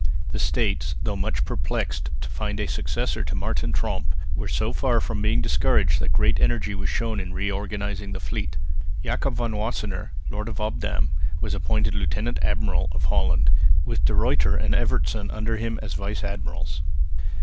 The States, though much perplexed to find a successor to Martin Tromp, were so far from being discouraged that great energy was shown in reorganising the fleet. Jacob van Wassenaer, lord of Obdam, was appointed lieutenant admiral of Holland, with De Ruyter and Evertsen under him as vice admirals.